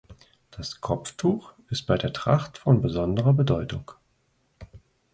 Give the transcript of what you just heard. Das Kopftuch ist bei der Tracht von besonderer Bedeutung.